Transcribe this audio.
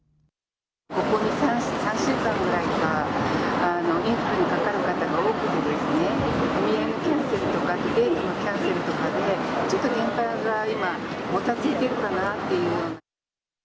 ここ２、３週間ぐらい、インフルにかかる方が多くてですね、お見合いをキャンセルとかデートのキャンセルとかで、ちょっと現場が今、もたついているかなっていう。